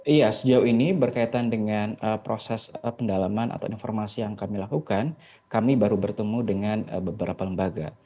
iya sejauh ini berkaitan dengan proses pendalaman atau informasi yang kami lakukan kami baru bertemu dengan beberapa lembaga